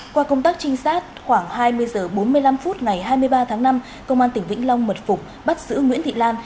qua công tác trinh sát khoảng hai mươi h bốn mươi năm phút ngày hai mươi ba tháng năm công an tỉnh vĩnh long mật phục bắt giữ nguyễn thị lan